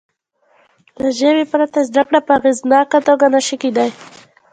له ژبې پرته زده کړه په اغېزناکه توګه نه شي کېدای.